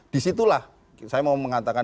disitulah saya mau mengatakan